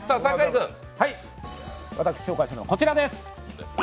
私が紹介するのはこちらです。